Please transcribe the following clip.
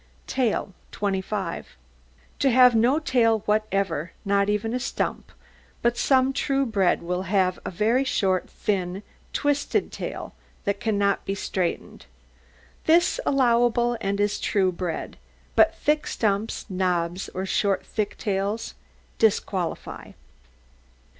TAIL 25 To have no tail whatever, not even a stump, but some true bred have a very short, thin, twisted tail, that cannot be straightened, this allowable, and is true bred; but thick stumps, knobs, or short, thick tails disqualify.